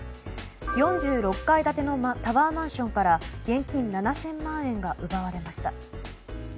４６階建てのタワーマンションから現金７０００万円が奪われました。